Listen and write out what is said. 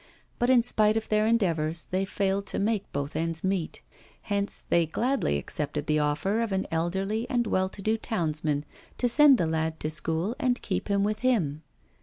But in spite of their endeavours, they failed to make both ends meet. Hence they gladly accepted the offer of an elderly and well to do townsman to send the lad to school and keep him with him.